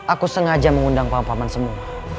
aku sengaja mengundang pampaman semua